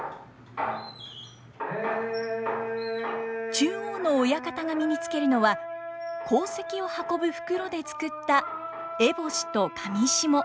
中央の親方が身に着けるのは鉱石を運ぶ袋で作った烏帽子と裃。